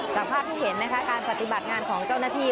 จากภาพที่เห็นนะคะการปฏิบัติงานของเจ้าหน้าที่